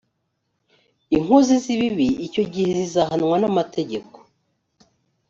inkozi zibibi icyo gihe zihanwa n’ amategeko.